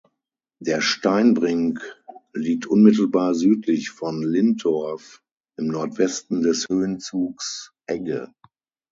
Der Steinbrink liegt unmittelbar südlich von Lintorf im Nordwesten des Höhenzugs Egge.